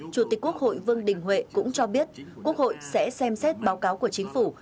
chủ tịch quốc hội vương đình huệ cũng cho biết quốc hội sẽ xem xét báo cáo của chính phủ